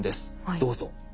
どうぞ。